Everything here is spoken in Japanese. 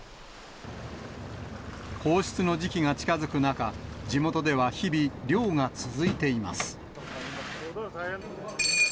放出の時期が近づく中、地元では日々、漁が続いています。